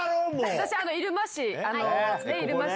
私入間市。